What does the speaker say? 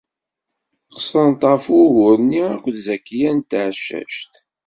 Qeṣṣrent ɣef wugur-nni akked Zakiya n Tɛeccact.